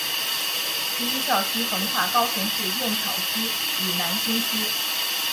第一校区横跨高雄市燕巢区与楠梓区。